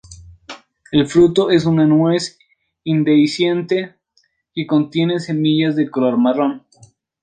El fruto es una nuez indehiscente que contiene semillas de color marrón.